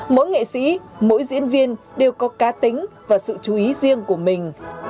mỗi nghệ sĩ mỗi diễn viên đều có cá tính và sự chú ý riêng của mình